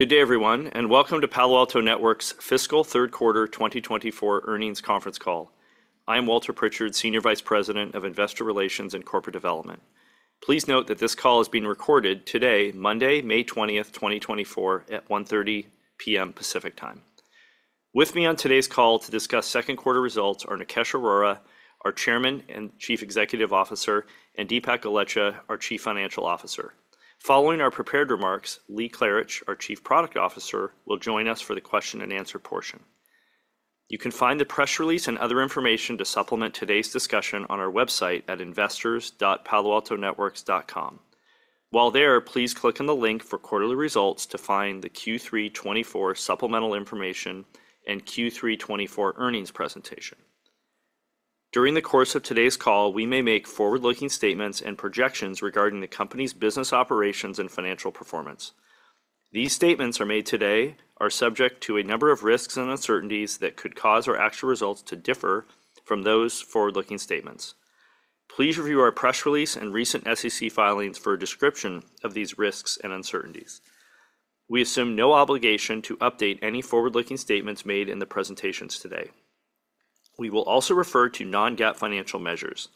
Good day, everyone, and welcome to Palo Alto Networks' fiscal third quarter 2024 earnings conference call. I am Walter Pritchard, Senior Vice President of Investor Relations and Corporate Development. Please note that this call is being recorded today, Monday, May 20th, 2024, at 1:30 P.M. Pacific Time. With me on today's call to discuss second quarter results are Nikesh Arora, our Chairman and Chief Executive Officer, and Dipak Golechha, our Chief Financial Officer. Following our prepared remarks, Lee Klarich, our Chief Product Officer, will join us for the question and answer portion. You can find the press release and other information to supplement today's discussion on our website at investors.paloaltonetworks.com. While there, please click on the link for quarterly results to find the Q3 2024 supplemental information and Q3 2024 earnings presentation. During the course of today's call, we may make forward-looking statements and projections regarding the company's business operations and financial performance. These statements made today are subject to a number of risks and uncertainties that could cause our actual results to differ from those forward-looking statements. Please review our press release and recent SEC filings for a description of these risks and uncertainties. We assume no obligation to update any forward-looking statements made in the presentations today. We will also refer to non-GAAP financial measures.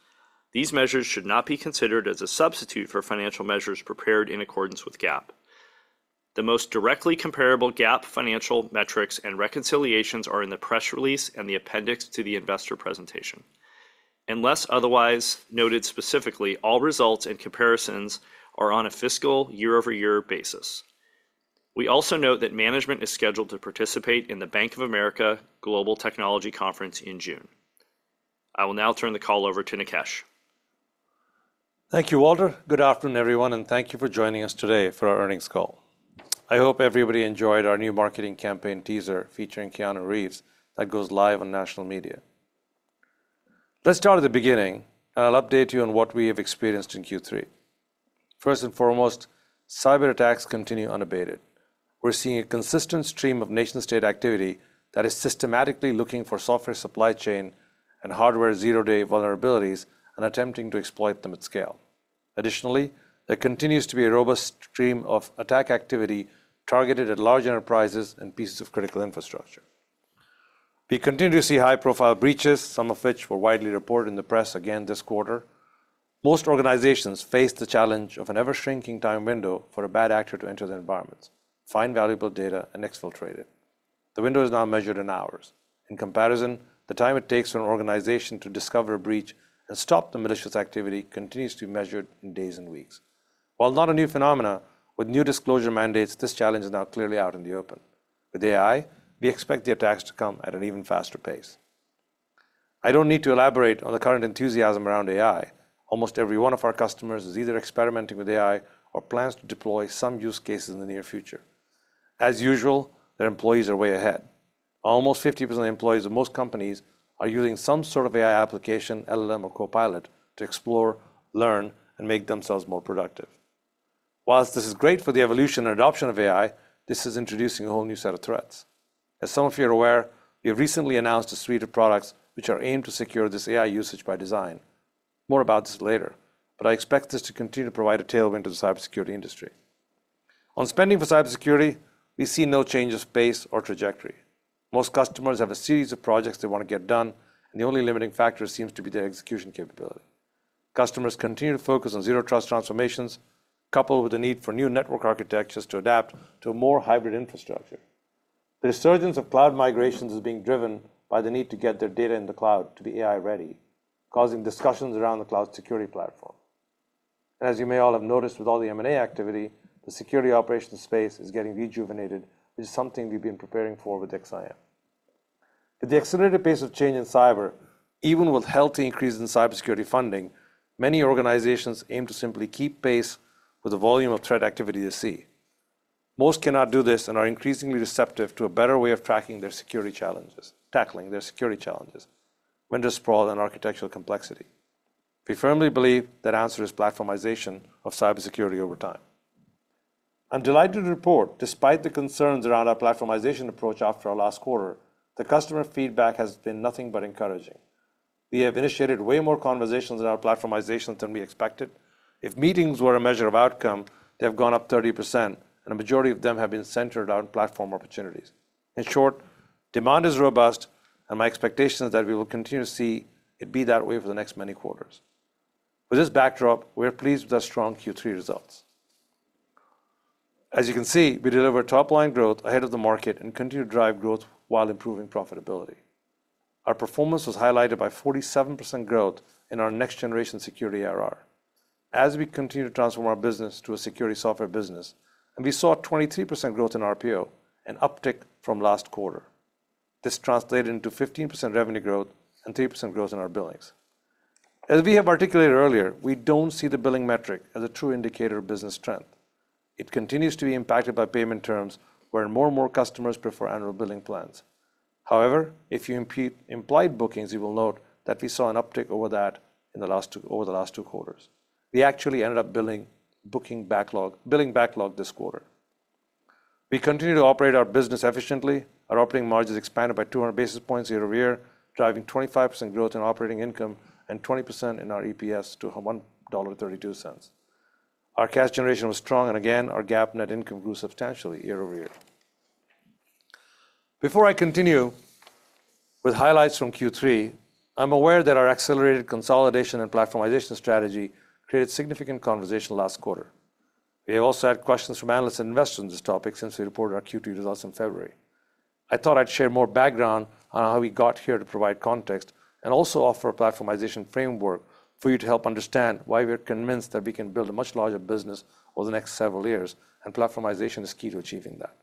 These measures should not be considered as a substitute for financial measures prepared in accordance with GAAP. The most directly comparable GAAP financial metrics and reconciliations are in the press release and the appendix to the investor presentation. Unless otherwise noted specifically, all results and comparisons are on a fiscal year-over-year basis. We also note that management is scheduled to participate in the Bank of America Global Technology Conference in June. I will now turn the call over to Nikesh. Thank you, Walter. Good afternoon, everyone, and thank you for joining us today for our earnings call. I hope everybody enjoyed our new marketing campaign teaser featuring Keanu Reeves that goes live on national media. Let's start at the beginning, and I'll update you on what we have experienced in Q3. First and foremost, cyberattacks continue unabated. We're seeing a consistent stream of nation-state activity that is systematically looking for software supply chain and hardware zero-day vulnerabilities and attempting to exploit them at scale. Additionally, there continues to be a robust stream of attack activity targeted at large enterprises and pieces of critical infrastructure. We continue to see high-profile breaches, some of which were widely reported in the press again this quarter. Most organizations face the challenge of an ever-shrinking time window for a bad actor to enter their environments, find valuable data, and exfiltrate it. The window is now measured in hours. In comparison, the time it takes for an organization to discover a breach and stop the malicious activity continues to be measured in days and weeks. While not a new phenomena, with new disclosure mandates, this challenge is now clearly out in the open. With AI, we expect the attacks to come at an even faster pace. I don't need to elaborate on the current enthusiasm around AI. Almost every one of our customers is either experimenting with AI or plans to deploy some use cases in the near future. As usual, their employees are way ahead. Almost 50% of employees of most companies are using some sort of AI application, LLM, or copilot to explore, learn, and make themselves more productive. While this is great for the evolution and adoption of AI, this is introducing a whole new set of threats. As some of you are aware, we have recently announced a suite of products which are aimed to secure this AI usage by design. More about this later, but I expect this to continue to provide a tailwind to the cybersecurity industry. On spending for cybersecurity, we see no change of pace or trajectory. Most customers have a series of projects they want to get done, and the only limiting factor seems to be their execution capability. Customers continue to focus on Zero Trust transformations, coupled with the need for new network architectures to adapt to a more hybrid infrastructure. The resurgence of cloud migrations is being driven by the need to get their data in the cloud to be AI-ready, causing discussions around the cloud security platform. As you may all have noticed, with all the M&A activity, the security operations space is getting rejuvenated, which is something we've been preparing for with XSIAM. At the accelerated pace of change in cyber, even with healthy increases in cybersecurity funding, many organizations aim to simply keep pace with the volume of threat activity they see. Most cannot do this and are increasingly receptive to a better way of tracking their security challenges... tackling their security challenges, vendor sprawl, and architectural complexity. We firmly believe that answer is platformization of cybersecurity over time. I'm delighted to report, despite the concerns around our platformization approach after our last quarter, the customer feedback has been nothing but encouraging. We have initiated way more conversations about platformization than we expected. If meetings were a measure of outcome, they have gone up 30%, and a majority of them have been centered around platform opportunities. In short, demand is robust, and my expectation is that we will continue to see it be that way for the next many quarters. With this backdrop, we are pleased with our strong Q3 results. As you can see, we delivered top-line growth ahead of the market and continued to drive growth while improving profitability. Our performance was highlighted by 47% growth in our Next-Generation Security ARR as we continue to transform our business to a security software business, and we saw a 23% growth in RPO, an uptick from last quarter. This translated into 15% revenue growth and 3% growth in our billings. As we have articulated earlier, we don't see the billing metric as a true indicator of business strength. It continues to be impacted by payment terms, where more and more customers prefer annual billing plans. However, if you implied bookings, you will note that we saw an uptick over that over the last two quarters. We actually ended up billing backlog this quarter. We continue to operate our business efficiently. Our operating margins expanded by 200 basis points year-over-year, driving 25% growth in operating income and 20% in our EPS to $1.32. Our cash generation was strong, and again, our GAAP net income grew substantially year-over-year.... Before I continue with highlights from Q3, I'm aware that our accelerated consolidation and platformization strategy created significant conversation last quarter. We have also had questions from analysts and investors on this topic since we reported our Q2 results in February. I thought I'd share more background on how we got here to provide context, and also offer a platformization framework for you to help understand why we are convinced that we can build a much larger business over the next several years, and platformization is key to achieving that.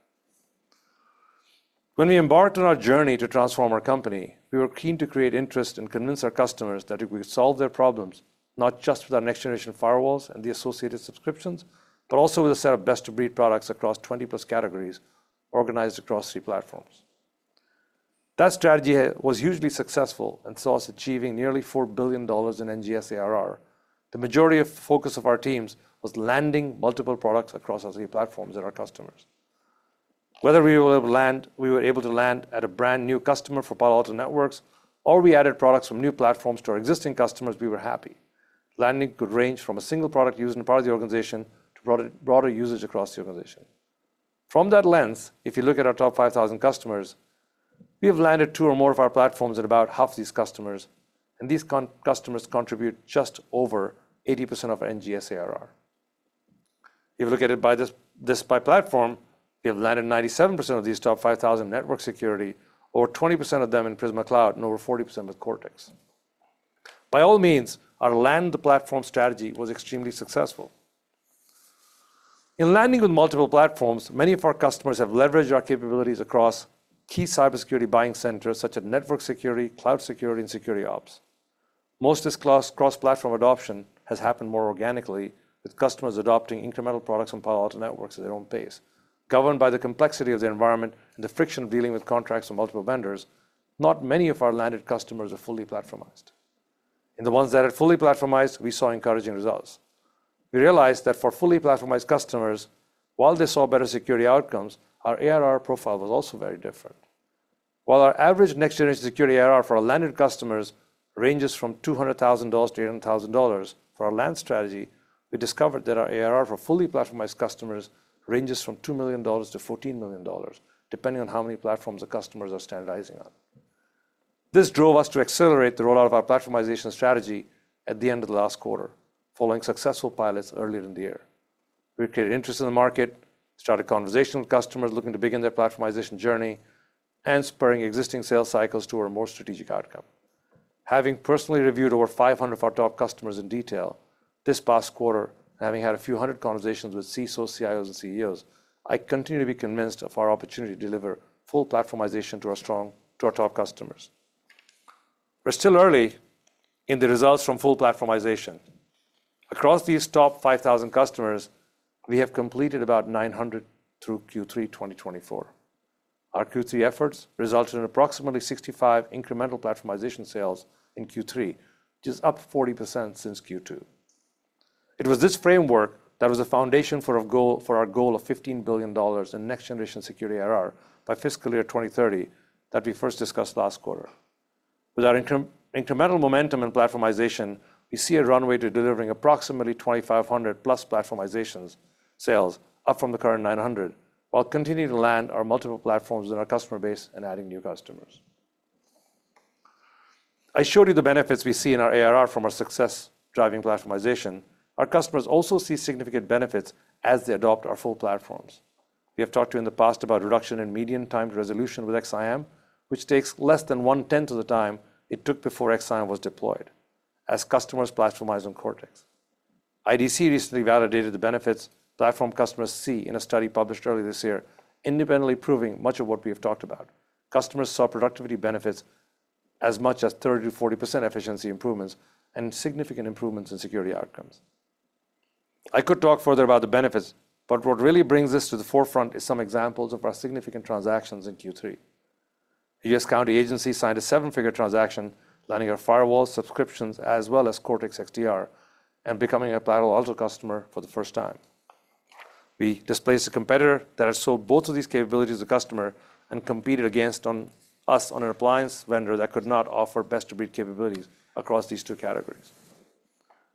When we embarked on our journey to transform our company, we were keen to create interest and convince our customers that if we solve their problems, not just with our next-generation firewalls and the associated subscriptions, but also with a set of best-of-breed products across 20+ categories organized across three platforms. That strategy was hugely successful and saw us achieving nearly $4 billion in NGS ARR. The majority of focus of our teams was landing multiple products across our three platforms and our customers. Whether we were able to land, we were able to land at a brand-new customer for Palo Alto Networks, or we added products from new platforms to our existing customers, we were happy. Landing could range from a single product used in a part of the organization to broad, broader usage across the organization. From that lens, if you look at our top 5,000 customers, we have landed two or more of our platforms at about half these customers, and these customers contribute just over 80% of our NGS ARR. If you look at it by this by platform, we have landed 97% of these top 5,000 network security, or 20% of them in Prisma Cloud, and over 40% with Cortex. By all means, our land platform strategy was extremely successful. In landing with multiple platforms, many of our customers have leveraged our capabilities across key cybersecurity buying centers, such as network security, cloud security, and security ops. Most of this cross-platform adoption has happened more organically, with customers adopting incremental products from Palo Alto Networks at their own pace. Governed by the complexity of the environment and the friction of dealing with contracts from multiple vendors, not many of our landed customers are fully platformized. In the ones that are fully platformized, we saw encouraging results. We realized that for fully platformized customers, while they saw better security outcomes, our ARR profile was also very different. While our average next-generation security ARR for our landed customers ranges from $200,000-$800,000 for our land strategy, we discovered that our ARR for fully platformized customers ranges from $2 million-$14 million, depending on how many platforms the customers are standardizing on. This drove us to accelerate the rollout of our platformization strategy at the end of the last quarter, following successful pilots earlier in the year. We created interest in the market, started conversation with customers looking to begin their platformization journey, and spurring existing sales cycles to a more strategic outcome. Having personally reviewed over 500 of our top customers in detail this past quarter, and having had a few hundred conversations with CISOs, CIOs, and CEOs, I continue to be convinced of our opportunity to deliver full platformization to our strong, to our top customers. We're still early in the results from full platformization. Across these top 5,000 customers, we have completed about 900 through Q3 2024. Our Q3 efforts resulted in approximately 65 incremental platformization sales in Q3, which is up 40% since Q2. It was this framework that was the foundation for our goal, for our goal of $15 billion in next-generation security ARR by fiscal year 2030, that we first discussed last quarter. With our incremental momentum in platformization, we see a runway to delivering approximately 2,500+ platformization sales up from the current 900, while continuing to land our multiple platforms in our customer base and adding new customers. I showed you the benefits we see in our ARR from our success driving platformization. Our customers also see significant benefits as they adopt our full platforms. We have talked to you in the past about reduction in median time to resolution with XSIAM, which takes less than one-tenth of the time it took before XSIAM was deployed as customers platformize on Cortex. IDC recently validated the benefits platform customers see in a study published earlier this year, independently proving much of what we have talked about. Customers saw productivity benefits as much as 30%-40% efficiency improvements and significant improvements in security outcomes. I could talk further about the benefits, but what really brings this to the forefront is some examples of our significant transactions in Q3. The U.S. county agency signed a seven-figure transaction, landing our firewall subscriptions, as well as Cortex XDR, and becoming a Palo Alto customer for the first time. We displaced a competitor that had sold both of these capabilities to customer and competed against on us on an appliance vendor that could not offer best-of-breed capabilities across these two categories.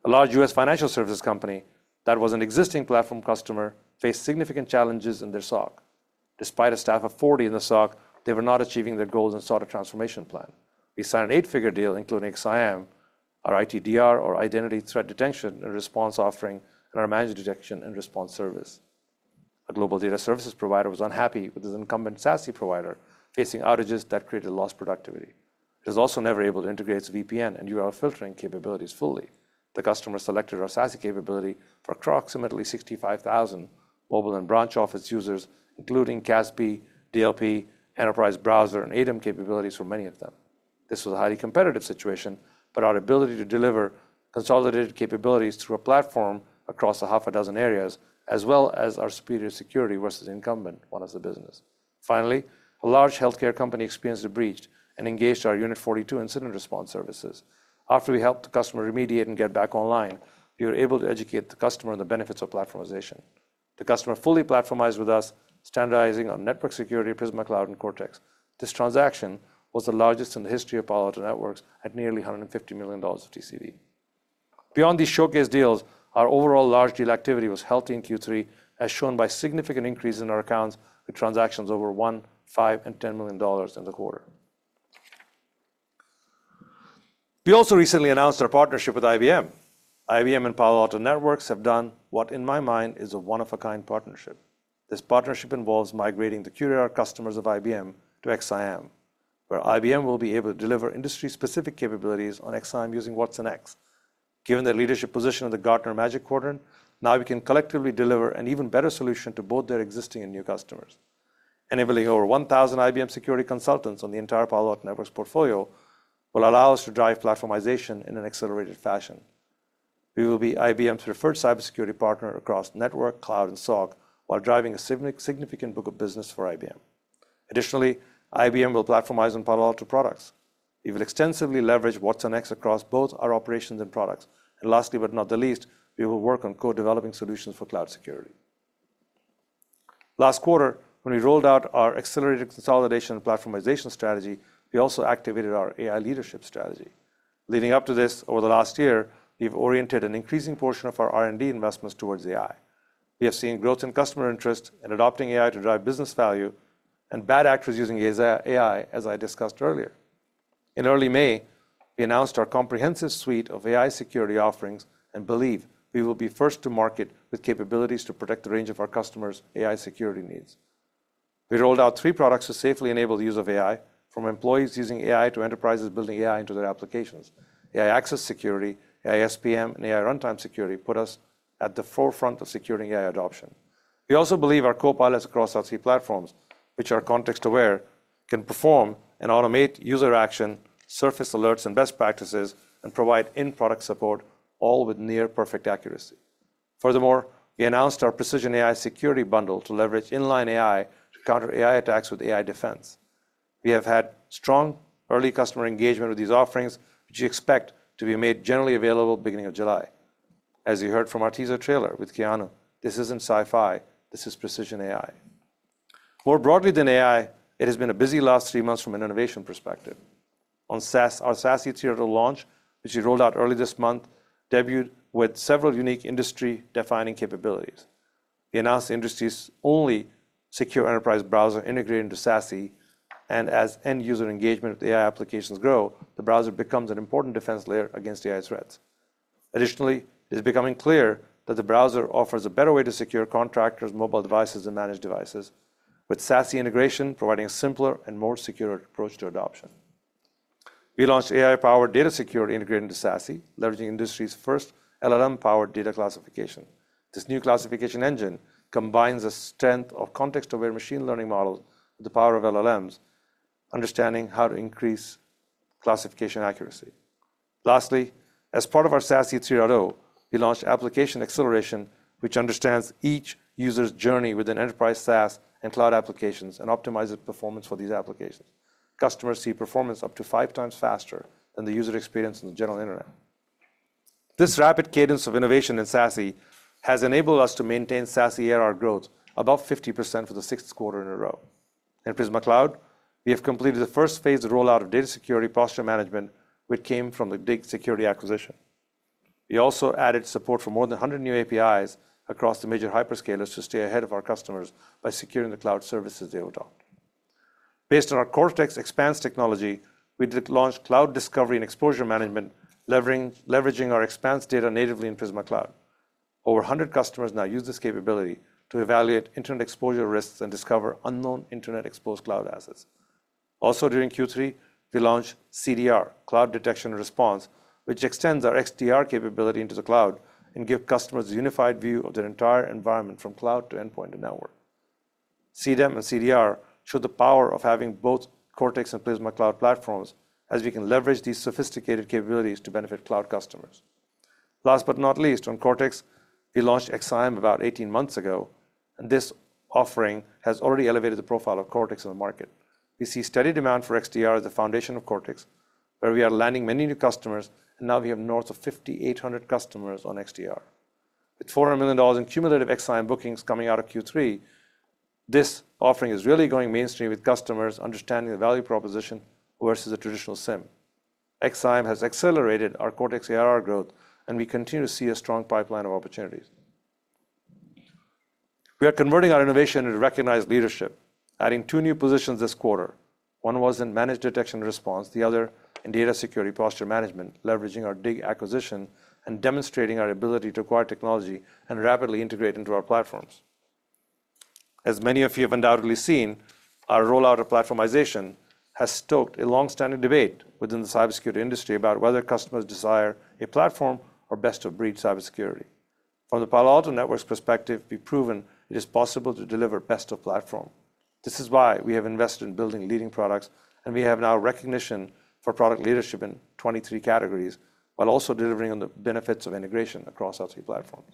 A large U.S. financial services company that was an existing platform customer faced significant challenges in their SOC. Despite a staff of 40 in the SOC, they were not achieving their goals and sought a transformation plan. We signed an eight-figure deal, including XSIAM, our ITDR, or Identity Threat Detection and Response Offering, and our Managed Detection and Response service. A global data services provider was unhappy with his incumbent SASE provider, facing outages that created a lost productivity. He was also never able to integrate its VPN and URL filtering capabilities fully. The customer selected our SASE capability for approximately 65,000 mobile and branch office users, including CASB, DLP, Enterprise Browser, and ADEM capabilities for many of them. This was a highly competitive situation, but our ability to deliver consolidated capabilities through a platform across half a dozen areas, as well as our superior security versus the incumbent, won us the business. Finally, a large healthcare company experienced a breach and engaged our Unit 42 Incident Response Services. After we helped the customer remediate and get back online, we were able to educate the customer on the benefits of platformization. The customer fully platformized with us, standardizing on network security, Prisma Cloud, and Cortex. This transaction was the largest in the history of Palo Alto Networks at nearly $150 million of TCV.... Beyond these showcase deals, our overall large deal activity was healthy in Q3, as shown by significant increase in our accounts with transactions over $1 million, $5 million, and $10 million in the quarter. We also recently announced our partnership with IBM. IBM and Palo Alto Networks have done what, in my mind, is a one-of-a-kind partnership. This partnership involves migrating the QRadar customers of IBM to XSIAM, where IBM will be able to deliver industry-specific capabilities on XSIAM using watsonx. Given their leadership position on the Gartner Magic Quadrant, now we can collectively deliver an even better solution to both their existing and new customers. Enabling over 1,000 IBM security consultants on the entire Palo Alto Networks portfolio will allow us to drive platformization in an accelerated fashion. We will be IBM's preferred cybersecurity partner across network, cloud, and SOC, while driving a significant book of business for IBM. Additionally, IBM will platformize on Palo Alto products. It will extensively leverage watsonx across both our operations and products. Last but not least, we will work on co-developing solutions for cloud security. Last quarter, when we rolled out our accelerated consolidation and platformization strategy, we also activated our AI leadership strategy. Leading up to this, over the last year, we've oriented an increasing portion of our R&D investments towards AI. We have seen growth in customer interest in adopting AI to drive business value and bad actors using AI, as I discussed earlier. In early May, we announced our comprehensive suite of AI security offerings and believe we will be first to market with capabilities to protect the range of our customers' AI security needs. We rolled out three products to safely enable the use of AI, from employees using AI to enterprises building AI into their applications. AI Access Security, AI-SPM, and AI Runtime Security put us at the forefront of securing AI adoption. We also believe our copilots across our three platforms, which are context-aware, can perform and automate user action, surface alerts and best practices, and provide in-product support, all with near-perfect accuracy. Furthermore, we announced our Precision AI security bundle to leverage inline AI to counter AI attacks with AI defense. We have had strong early customer engagement with these offerings, which we expect to be made generally available beginning of July. As you heard from our teaser trailer with Keanu, this isn't sci-fi, this is Precision AI. More broadly than AI, it has been a busy last three months from an innovation perspective. On SASE, our SASE 3.0 launch, which we rolled out early this month, debuted with several unique industry-defining capabilities. We announced the industry's only secure enterprise browser integrated into SASE, and as end-user engagement with AI applications grow, the browser becomes an important defense layer against AI threats. Additionally, it is becoming clear that the browser offers a better way to secure contractors, mobile devices, and managed devices, with SASE integration providing a simpler and more secure approach to adoption. We launched AI-powered data security integrated into SASE, leveraging the industry's first LLM-powered data classification. This new classification engine combines the strength of context-aware machine learning models with the power of LLMs, understanding how to increase classification accuracy. Lastly, as part of our SASE 3.0, we launched application acceleration, which understands each user's journey within enterprise SaaS and cloud applications and optimizes performance for these applications. Customers see performance up to 5x faster than the user experience on the general internet. This rapid cadence of innovation in SASE has enabled us to maintain SASE ARR growth above 50% for the sixth quarter in a row. In Prisma Cloud, we have completed the first phase of rollout of data security posture management, which came from the Dig Security acquisition. We also added support for more than 100 new APIs across the major hyperscalers to stay ahead of our customers by securing the cloud services they adopt. Based on our Cortex Xpanse technology, we did launch cloud discovery and exposure management, leveraging our Expanse data natively in Prisma Cloud. Over 100 customers now use this capability to evaluate internet exposure risks and discover unknown internet-exposed cloud assets. Also, during Q3, we launched CDR, Cloud Detection and Response, which extends our XDR capability into the cloud and give customers a unified view of their entire environment from cloud to endpoint to network. CDEM and CDR show the power of having both Cortex and Prisma Cloud platforms, as we can leverage these sophisticated capabilities to benefit cloud customers. Last but not least, on Cortex, we launched XSIAM about 18 months ago, and this offering has already elevated the profile of Cortex in the market. We see steady demand for XDR as a foundation of Cortex, where we are landing many new customers, and now we have north of 5,800 customers on XDR. With $400 million in cumulative XSIAM bookings coming out of Q3, this offering is really going mainstream, with customers understanding the value proposition versus a traditional SIEM. XSIAM has accelerated our Cortex ARR growth, and we continue to see a strong pipeline of opportunities. We are converting our innovation into recognized leadership, adding two new positions this quarter. One was in managed detection and response, the other in data security posture management, leveraging our Dig acquisition and demonstrating our ability to acquire technology and rapidly integrate into our platforms. As many of you have undoubtedly seen, our rollout of platformization has stoked a long-standing debate within the cybersecurity industry about whether customers desire a platform or best-of-breed cybersecurity. From the Palo Alto Networks perspective, we've proven it is possible to deliver best of platform. This is why we have invested in building leading products, and we have now recognition for product leadership in 23 categories, while also delivering on the benefits of integration across our three platforms.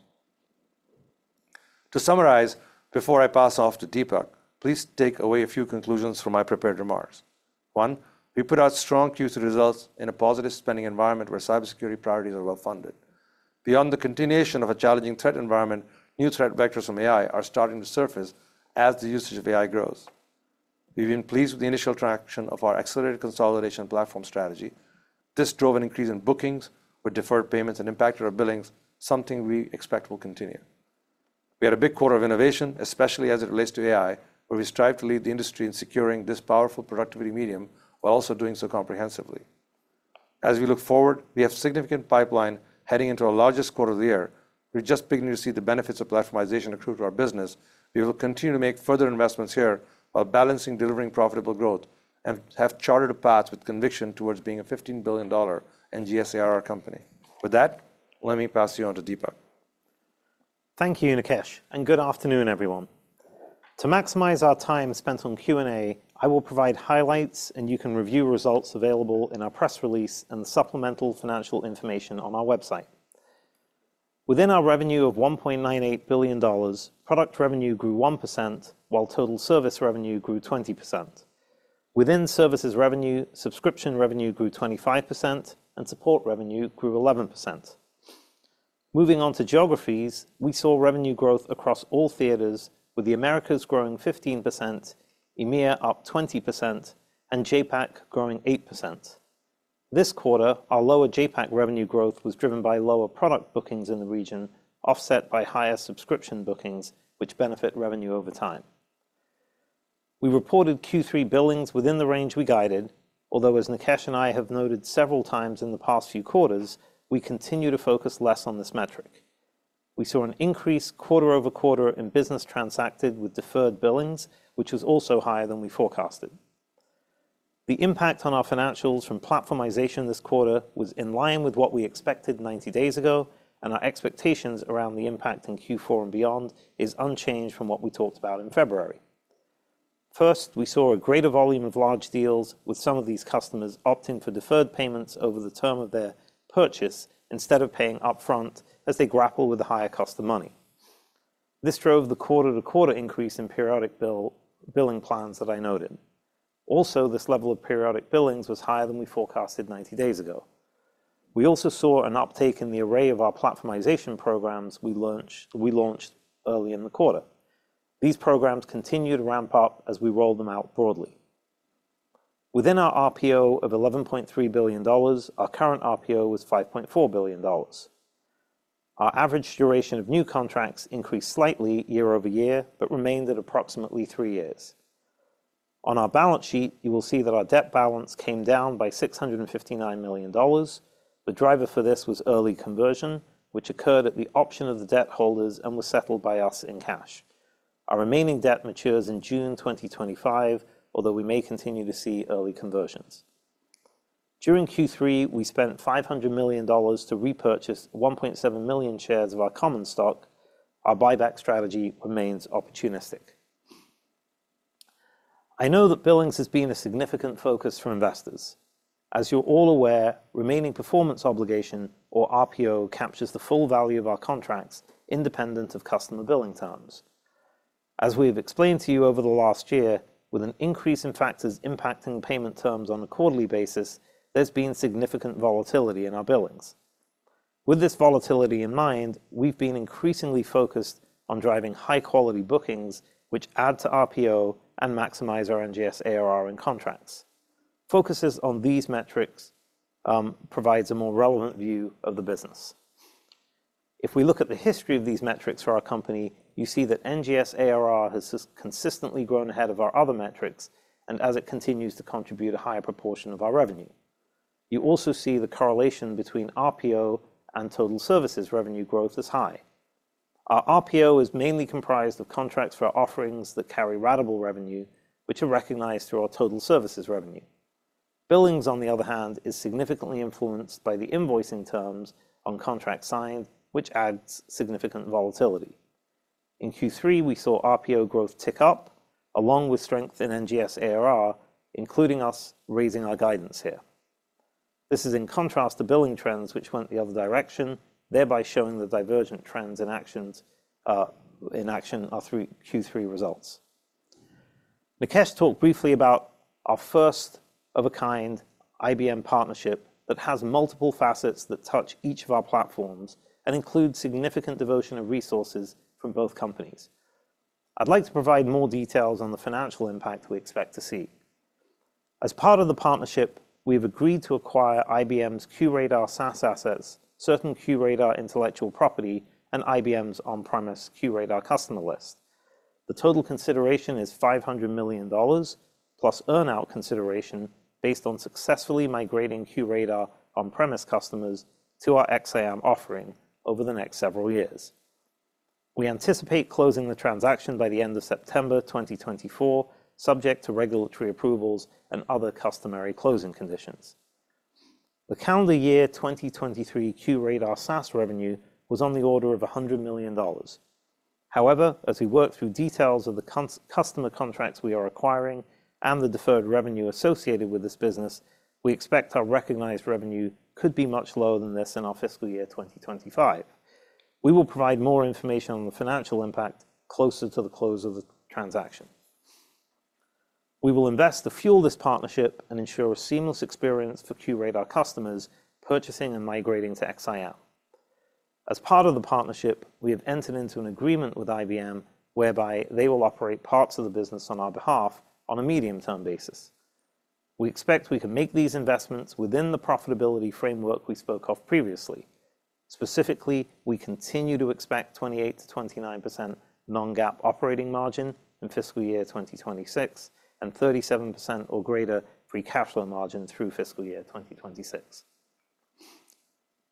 To summarize, before I pass off to Dipak, please take away a few conclusions from my prepared remarks. One, we put out strong Q2 results in a positive spending environment where cybersecurity priorities are well funded. Beyond the continuation of a challenging threat environment, new threat vectors from AI are starting to surface as the usage of AI grows. We've been pleased with the initial traction of our accelerated consolidation platform strategy. This drove an increase in bookings with deferred payments and impacted our billings, something we expect will continue. We had a big quarter of innovation, especially as it relates to AI, where we strive to lead the industry in securing this powerful productivity medium, while also doing so comprehensively. As we look forward, we have significant pipeline heading into our largest quarter of the year. We're just beginning to see the benefits of platformization accrue to our business. We will continue to make further investments here, while balancing delivering profitable growth, and have chartered a path with conviction towards being a $15 billion NGSRR company. With that, let me pass you on to Dipak. Thank you, Nikesh, and good afternoon, everyone. To maximize our time spent on Q&A, I will provide highlights, and you can review results available in our press release and the supplemental financial information on our website. Within our revenue of $1.98 billion, product revenue grew 1%, while total service revenue grew 20%. Within services revenue, subscription revenue grew 25% and support revenue grew 11%. Moving on to geographies, we saw revenue growth across all theaters, with the Americas growing 15%, EMEA up 20%, and JAPAC growing 8%. This quarter, our lower JAPAC revenue growth was driven by lower product bookings in the region, offset by higher subscription bookings, which benefit revenue over time. We reported Q3 billings within the range we guided, although, as Nikesh and I have noted several times in the past few quarters, we continue to focus less on this metric. We saw an increase quarter-over-quarter in business transacted with deferred billings, which was also higher than we forecasted. The impact on our financials from platformization this quarter was in line with what we expected 90 days ago, and our expectations around the impact in Q4 and beyond is unchanged from what we talked about in February. First, we saw a greater volume of large deals, with some of these customers opting for deferred payments over the term of their purchase instead of paying upfront as they grapple with the higher cost of money. This drove the quarter-to-quarter increase in periodic billing plans that I noted. Also, this level of periodic billings was higher than we forecasted 90 days ago. We also saw an uptake in the array of our platformization programs we launched, we launched early in the quarter. These programs continue to ramp up as we roll them out broadly. Within our RPO of $11.3 billion, our current RPO was $5.4 billion. Our average duration of new contracts increased slightly year-over-year, but remained at approximately three years. On our balance sheet, you will see that our debt balance came down by $659 million. The driver for this was early conversion, which occurred at the option of the debt holders and was settled by us in cash. Our remaining debt matures in June 2025, although we may continue to see early conversions. During Q3, we spent $500 million to repurchase 1.7 million shares of our common stock. Our buyback strategy remains opportunistic. I know that billings has been a significant focus for investors. As you're all aware, remaining performance obligation, or RPO, captures the full value of our contracts independent of customer billing terms. As we've explained to you over the last year, with an increase in factors impacting payment terms on a quarterly basis, there's been significant volatility in our billings. With this volatility in mind, we've been increasingly focused on driving high-quality bookings, which add to RPO and maximize our NGS ARR in contracts. Focuses on these metrics provides a more relevant view of the business. If we look at the history of these metrics for our company, you see that NGS ARR has consistently grown ahead of our other metrics, and as it continues to contribute a higher proportion of our revenue. You also see the correlation between RPO and total services revenue growth is high. Our RPO is mainly comprised of contracts for offerings that carry ratable revenue, which are recognized through our total services revenue. Billings, on the other hand, is significantly influenced by the invoicing terms on contract signed, which adds significant volatility. In Q3, we saw RPO growth tick up, along with strength in NGS ARR, including us raising our guidance here. This is in contrast to billing trends, which went the other direction, thereby showing the divergent trends and actions in action our through Q3 results. Nikesh talked briefly about our first-of-a-kind IBM partnership that has multiple facets that touch each of our platforms and include significant devotion of resources from both companies. I'd like to provide more details on the financial impact we expect to see. As part of the partnership, we have agreed to acquire IBM's QRadar SaaS assets, certain QRadar intellectual property, and IBM's on-premise QRadar customer list. The total consideration is $500 million+ earn-out consideration based on successfully migrating QRadar on-premise customers to our XSIAM offering over the next several years. We anticipate closing the transaction by the end of September 2024, subject to regulatory approvals and other customary closing conditions. The calendar year 2023 QRadar SaaS revenue was on the order of $100 million. However, as we work through details of the customer contracts we are acquiring and the deferred revenue associated with this business, we expect our recognized revenue could be much lower than this in our fiscal year 2025. We will provide more information on the financial impact closer to the close of the transaction. We will invest to fuel this partnership and ensure a seamless experience for QRadar customers purchasing and migrating to XSIAM. As part of the partnership, we have entered into an agreement with IBM whereby they will operate parts of the business on our behalf on a medium-term basis. We expect we can make these investments within the profitability framework we spoke of previously. Specifically, we continue to expect 28%-29% non-GAAP operating margin in fiscal year 2026, and 37% or greater free cash flow margin through fiscal year 2026.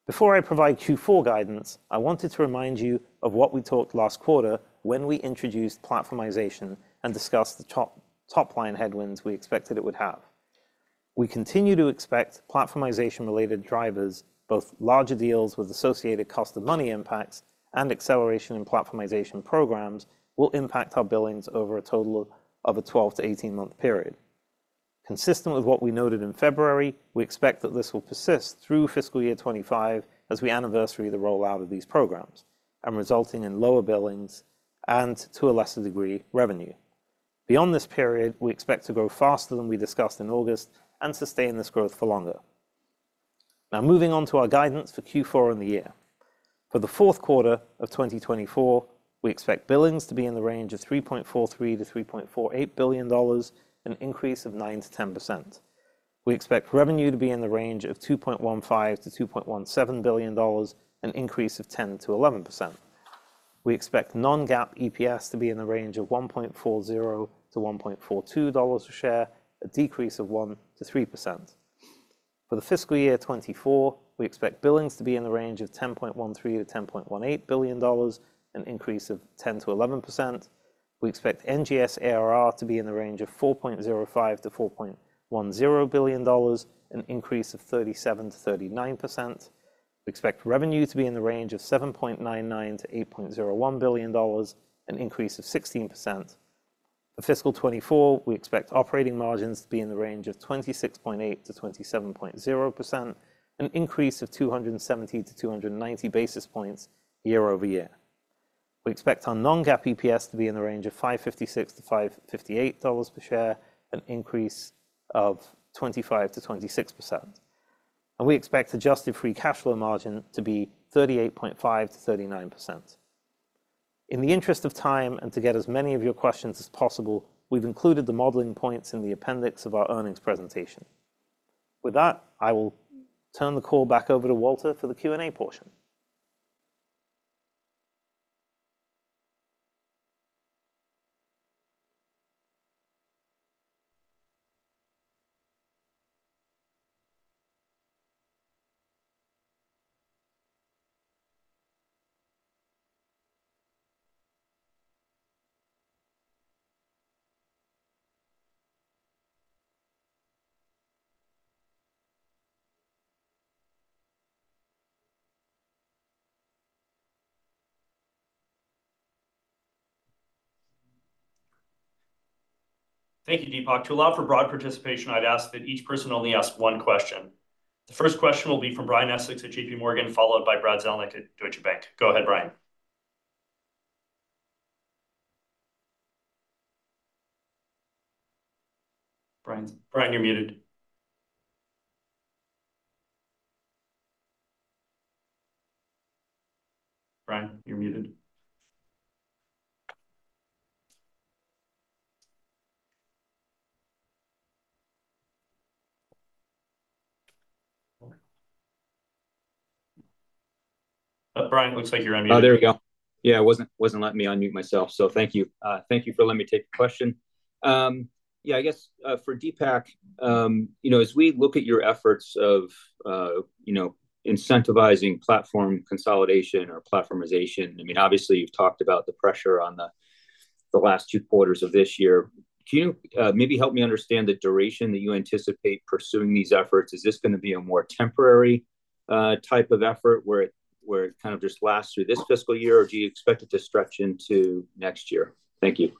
Before I provide Q4 guidance, I wanted to remind you of what we talked last quarter when we introduced platformization and discussed the top, top-line headwinds we expected it would have. We continue to expect platformization-related drivers, both larger deals with associated cost of money impacts and acceleration in platformization programs, will impact our billings over a total of a 12- to 18-month period. Consistent with what we noted in February, we expect that this will persist through fiscal year 2025 as we anniversary the rollout of these programs, and resulting in lower billings and, to a lesser degree, revenue. Beyond this period, we expect to grow faster than we discussed in August and sustain this growth for longer. Now, moving on to our guidance for Q4 and the year. For the fourth quarter of 2024, we expect billings to be in the range of $3.43 billion-$3.48 billion, an increase of 9%-10%. We expect revenue to be in the range of $2.15 billion-$2.17 billion, an increase of 10%-11%. We expect non-GAAP EPS to be in the range of $1.40-$1.42 a share, a decrease of 1%-3%. For the fiscal year 2024, we expect billings to be in the range of $10.13 billion-$10.18 billion, an increase of 10%-11%. We expect NGS ARR to be in the range of $4.05 billion-$4.10 billion, an increase of 37%-39%. We expect revenue to be in the range of $7.99 billion-$8.01 billion, an increase of 16%. For fiscal 2024, we expect operating margins to be in the range of 26.8%-27.0%, an increase of 270-290 basis points year-over-year. We expect our non-GAAP EPS to be in the range of $5.56-$5.58 per share, an increase of 25%-26%. We expect adjusted free cash flow margin to be 38.5%-39%. In the interest of time, and to get as many of your questions as possible, we've included the modeling points in the appendix of our earnings presentation. With that, I will turn the call back over to Walter for the Q&A portion. Thank you, Dipak. To allow for broad participation, I'd ask that each person only ask one question. The first question will be from Brian Essex at J.P. Morgan, followed by Brad Zelnick at Deutsche Bank. Go ahead, Brian. Brian? Brian, you're muted. Brian, you're muted. Brian, it looks like you're on mute. Oh, there we go. Yeah, it wasn't letting me unmute myself, so thank you. Thank you for letting me take the question. Yeah, I guess, for Dipak, you know, as we look at your efforts of, you know, incentivizing platform consolidation or platformization, I mean, obviously, you've talked about the pressure on the last two quarters of this year. Can you maybe help me understand the duration that you anticipate pursuing these efforts? Is this gonna be a more temporary type of effort, where it kind of just lasts through this fiscal year, or do you expect it to stretch into next year? Thank you.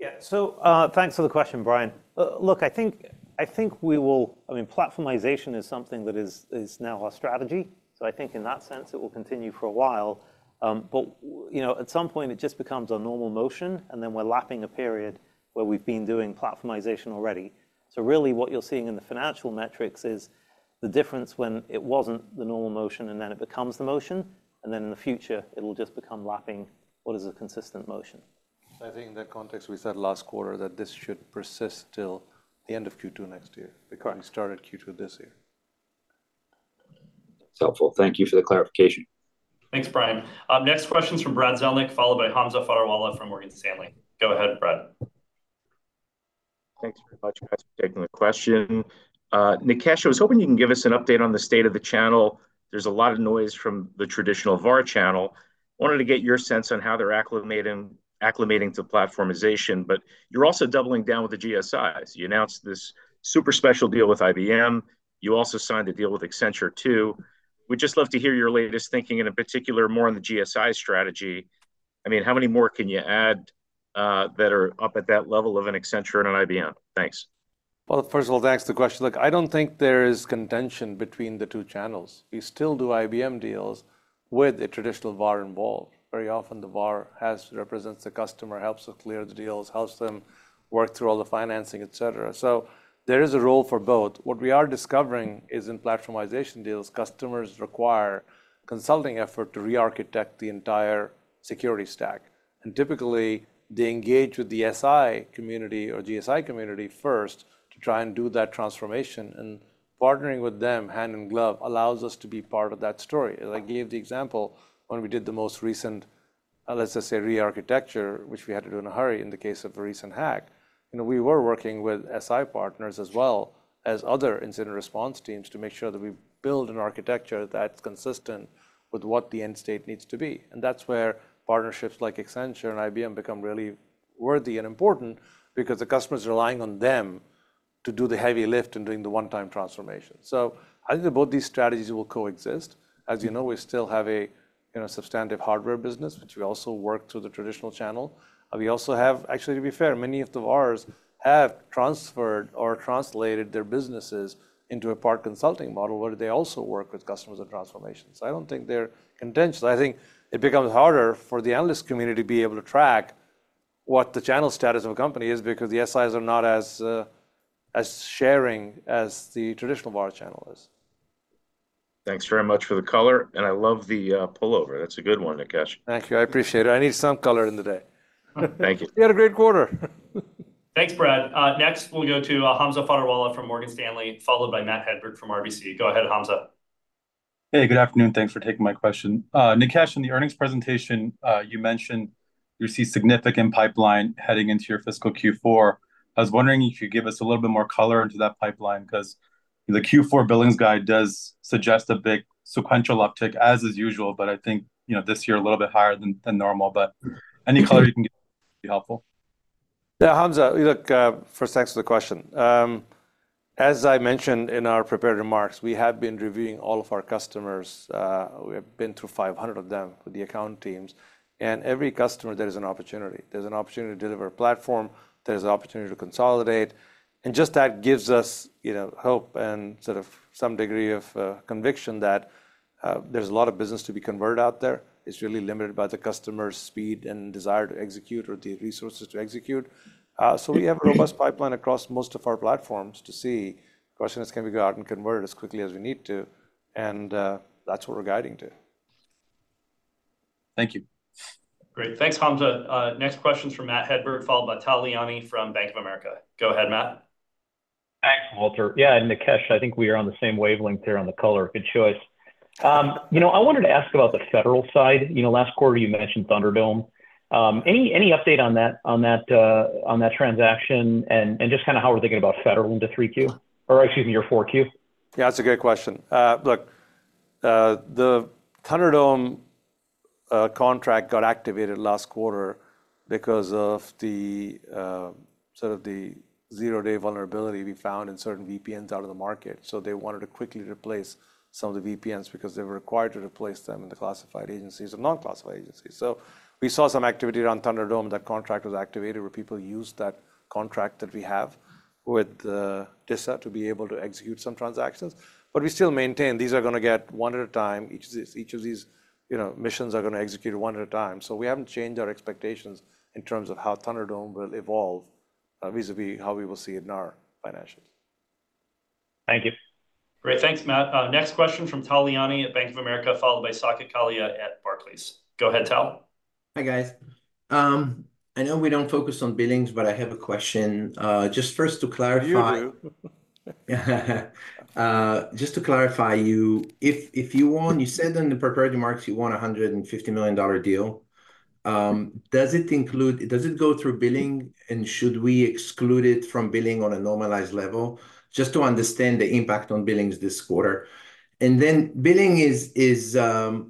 Yeah. So, thanks for the question, Brian. Look, I think, I think we will... I mean, platformization is something that is, is now our strategy, so I think in that sense it will continue for a while. But, you know, at some point it just becomes our normal motion, and then we're lapping a period where we've been doing platformization already. So really, what you're seeing in the financial metrics is the difference when it wasn't the normal motion, and then it becomes the motion, and then in the future it will just become lapping what is a consistent motion. I think in that context, we said last quarter that this should persist till the end of Q2 next year- Correct because we started Q2 this year. That's helpful. Thank you for the clarification. Thanks, Brian. Next question's from Brad Zelnick, followed by Hamza Fodderwala from Morgan Stanley. Go ahead, Brad. Thanks very much, guys, for taking the question. Nikesh, I was hoping you can give us an update on the state of the channel. There's a lot of noise from the traditional VAR channel. Wanted to get your sense on how they're acclimating to platformization, but you're also doubling down with the GSIs. You announced this super special deal with IBM. You also signed a deal with Accenture, too. We'd just love to hear your latest thinking, and in particular, more on the GSI strategy. I mean, how many more can you add that are up at that level of an Accenture and an IBM? Thanks. Well, first of all, thanks for the question. Look, I don't think there is contention between the two channels. We still do IBM deals.... with a traditional VAR involved. Very often, the VAR has, represents the customer, helps them clear the deals, helps them work through all the financing, et cetera. So there is a role for both. What we are discovering is in platformization deals, customers require consulting effort to re-architect the entire security stack. And typically, they engage with the SI community or GSI community first to try and do that transformation, and partnering with them hand in glove allows us to be part of that story. And I gave the example when we did the most recent, let's just say re-architecture, which we had to do in a hurry in the case of a recent hack. You know, we were working with SI partners as well as other incident response teams to make sure that we build an architecture that's consistent with what the end state needs to be, and that's where partnerships like Accenture and IBM become really worthy and important, because the customer's relying on them to do the heavy lift in doing the one-time transformation. So I think both these strategies will coexist. As you know, we still have a, you know, substantive hardware business, which we also work through the traditional channel. We also have. Actually, to be fair, many of the VARs have transferred or translated their businesses into a part consulting model, where they also work with customers on transformations. I don't think they're contentious. I think it becomes harder for the analyst community to be able to track what the channel status of a company is, because the SIs are not as, as sharing as the traditional VAR channel is. Thanks very much for the color, and I love the pullover. That's a good one, Nikesh. Thank you. I appreciate it. I need some color in the day. Thank you. We had a great quarter. Thanks, Brad. Next, we'll go to Hamza Fodderwala from Morgan Stanley, followed by Matt Hedberg from RBC. Go ahead, Hamza. Hey, good afternoon. Thanks for taking my question. Nikesh, in the earnings presentation, you mentioned you see significant pipeline heading into your fiscal Q4. I was wondering if you could give us a little bit more color into that pipeline, 'cause the Q4 billings guide does suggest a big sequential uptick, as is usual, but I think, you know, this year a little bit higher than, than normal. But any color you can give would be helpful. Yeah, Hamza, look, first, thanks for the question. As I mentioned in our prepared remarks, we have been reviewing all of our customers. We have been through 500 of them with the account teams, and every customer, there is an opportunity. There's an opportunity to deliver a platform, there's an opportunity to consolidate, and just that gives us, you know, hope and sort of some degree of, conviction that, there's a lot of business to be converted out there. It's really limited by the customer's speed and desire to execute or the resources to execute. So we have a robust pipeline across most of our platforms to see. Question is, can we go out and convert it as quickly as we need to? And, that's what we're guiding to. Thank you. Great. Thanks, Hamza. Next question's from Matt Hedberg, followed by Tal Liani from Bank of America. Go ahead, Matt. Thanks, Walter. Yeah, and Nikesh, I think we are on the same wavelength there on the color. Good choice. You know, I wanted to ask about the federal side. You know, last quarter, you mentioned Thunderdome. Any update on that, on that transaction, and just kinda how we're thinking about federal into 3Q, or excuse me, your 4Q? Yeah, that's a great question. Look, the Thunderdome contract got activated last quarter because of the sort of the zero-day vulnerability we found in certain VPNs out in the market. So they wanted to quickly replace some of the VPNs because they were required to replace them in the classified agencies and non-classified agencies. So we saw some activity around Thunderdome. That contract was activated, where people used that contract that we have with DISA to be able to execute some transactions, but we still maintain these are gonna get one at a time. Each of these, each of these, you know, missions are gonna execute one at a time. So we haven't changed our expectations in terms of how Thunderdome will evolve vis-a-vis how we will see it in our financials. Thank you. Great. Thanks, Matt. Next question from Tal Liani at Bank of America, followed by Saket Kalia at Barclays. Go ahead, Tal. Hi, guys. I know we don't focus on billings, but I have a question, just first to clarify- You do. Just to clarify, if you won, you said in the prepared remarks you won a $150 million deal. Does it go through billing, and should we exclude it from billing on a normalized level? Just to understand the impact on billings this quarter. And then billing is gonna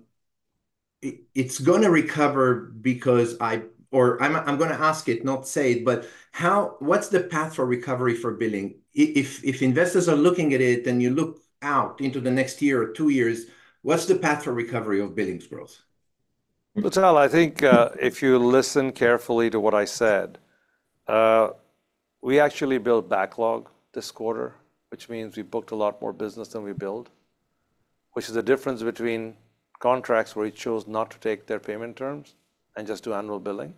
recover because... what's the path for recovery for billing? If investors are looking at it, and you look out into the next year or two years, what's the path for recovery of billings growth? Well, Tal, I think, if you listen carefully to what I said, we actually built backlog this quarter, which means we booked a lot more business than we billed, which is a difference between contracts where we chose not to take their payment terms and just do annual billing.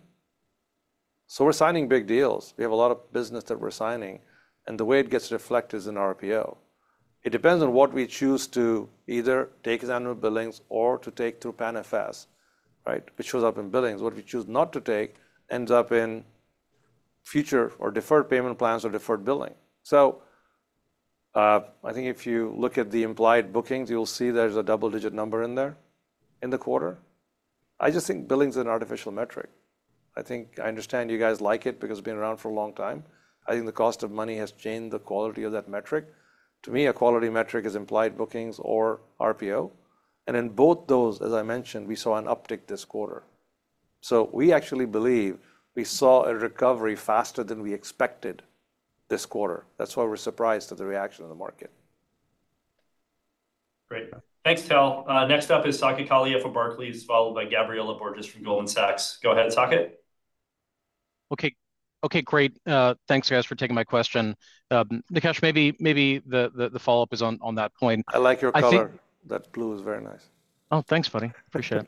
So we're signing big deals. We have a lot of business that we're signing, and the way it gets reflected is in RPO. It depends on what we choose to either take as annual billings or to take through PANFS, right? Which shows up in billings. What we choose not to take ends up in future or deferred payment plans or deferred billing. So, I think if you look at the implied bookings, you'll see there's a double-digit number in there, in the quarter. I just think billing's an artificial metric. I think, I understand you guys like it because it's been around for a long time. I think the cost of money has changed the quality of that metric. To me, a quality metric is implied bookings or RPO, and in both those, as I mentioned, we saw an uptick this quarter. So we actually believe we saw a recovery faster than we expected this quarter. That's why we're surprised at the reaction of the market. Great. Thanks, Tal. Next up is Saket Kalia from Barclays, followed by Gabriela Borges from Goldman Sachs. Go ahead, Saket.... Okay, okay, great. Thanks, guys, for taking my question. Nikesh, maybe the follow-up is on that point. I like your color. I think- That blue is very nice. Oh, thanks, buddy. Appreciate